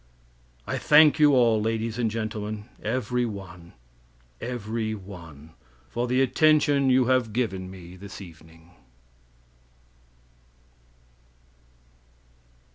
I thank you all, ladies and gentlemen, every one every one, for the attention you have given me this evening.